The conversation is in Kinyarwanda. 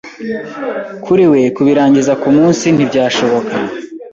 Kuri we kubirangiza kumunsi ntibyashoboka.